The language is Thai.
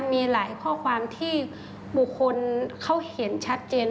มีหลายข้อความที่บุคคลเขาเห็นชัดเจน